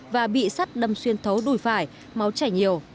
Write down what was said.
và bị sắt đâm xuyên thấu đùi phải máu chảy nhiều